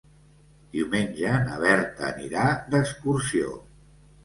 Diumenge na Berta anirà d'excursió.